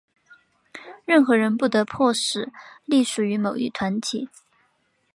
任何人不得迫使隶属于某一团体。